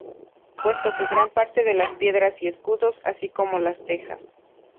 Puesto que gran parte de las piedras y escudos, así como las tejas.